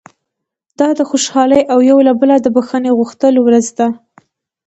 دا د خوشالۍ او یو له بله د بښنې غوښتلو ورځ ده.